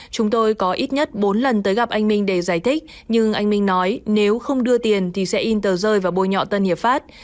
chúng tôi có ít nhất bốn lần tới gặp anh minh để giải thích nhưng anh minh nói nếu không đưa tiền thì sẽ in tờ rơi và bôi nhọ tân hiệp pháp